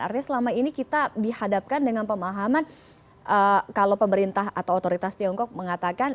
artinya selama ini kita dihadapkan dengan pemahaman kalau pemerintah atau otoritas tiongkok mengatakan